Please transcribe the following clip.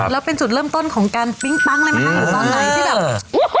แล้วเป็นสุดเริ่มต้นของการปิ๊งปั๊งเลยมั้ยคะ